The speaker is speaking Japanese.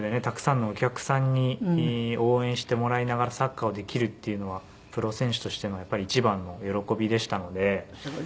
たくさんのお客さんに応援してもらいながらサッカーをできるっていうのはプロ選手としての一番の喜びでしたので。